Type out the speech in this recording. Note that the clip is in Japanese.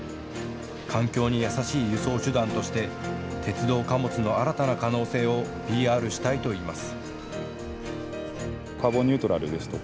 環境に優しい輸送手段として鉄道貨物の新たな可能性をＰＲしたいといいます。